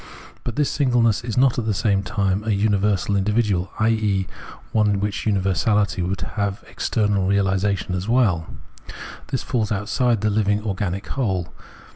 But this singleness is not at the same time a imiversal individual, i.e. one in which universality would have external realisation as well ; 282 Phenomenology of Mind this falls outside the living organic whole.